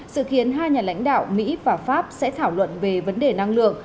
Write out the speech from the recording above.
sự khiến hai nhà lãnh đạo mỹ và pháp sẽ thảo luận về vấn đề năng lượng